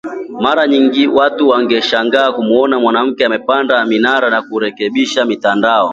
Mara nyingi watu wangeshangaa kumuona mwanamke anapanda minara na kuwarekebishia mitandao.